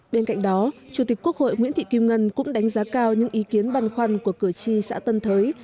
bên cạnh đó chủ tịch quốc hội nguyễn thị kim ngân cũng đánh giá cao những ý kiến băn khoăn của cử tri xã tân thới